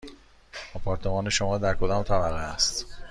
آپارتمان شما در کدام طبقه است؟